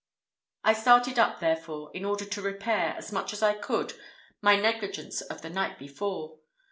I started up, therefore, in order to repair, as much as I could, my negligence of the night before.